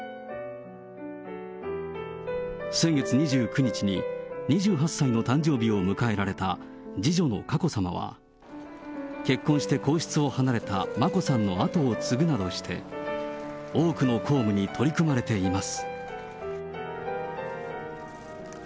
先月２９日に２８歳の誕生日を迎えられた次女の佳子さまは、結婚して皇室を離れた眞子さんの後を継ぐなどして、多くの公務に取り組まれています。